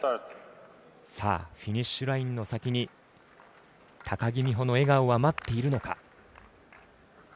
さあ、フィニッシュラインの先に高木美帆の笑顔は待っているのか。